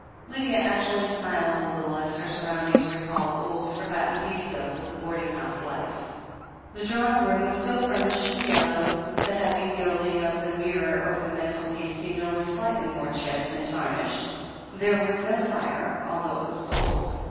Lydia actually smiled a little, as her surroundings recalled old, forgotten details of the boarding house Ufe. THE HEEL OF ACHILLES 443 The drawing room was still furnished in yellow, the heavy gilding of the mirror over the mantelpiece seemed only slightly more chipped and tarnished. There was no fire, although it was cold.